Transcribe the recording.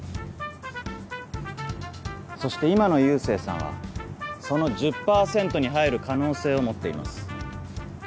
そして今の佑星さんはその１０％に入る可能性を持っています。